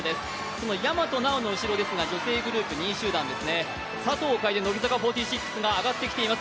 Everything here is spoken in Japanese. その大和奈央の後ろですが女性グループ２位集団ですね、佐藤楓、乃木坂４６が上がってきています。